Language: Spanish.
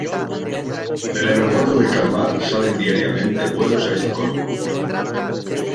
Del aeropuerto de Kalmar salen diariamente vuelos a Estocolmo.